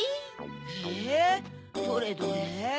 えどれどれ？